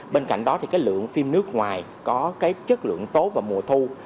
bên cạnh đó thì cái lượng phim nước ngoài có cái chất lượng tốt vào mùa thu